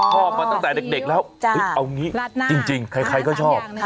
อ๋อชอบมาตั้งแต่เด็กแล้วเอ้ยเอาอย่างนี้จริงใครก็ชอบ